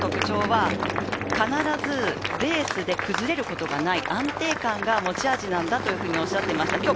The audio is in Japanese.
彼の特徴は必ずレースで崩れることがない安定感が持ち味なんだと言っていました。